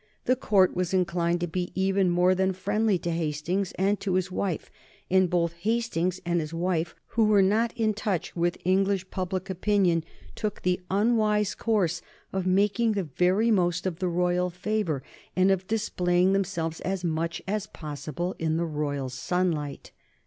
The Court was inclined to be even more than friendly to Hastings and to his wife, and both Hastings and his wife, who were not in touch with English public opinion, took the unwise course of making the very most of the royal favor, and of displaying themselves as much as possible in the royal sunlight.